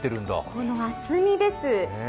この厚みです。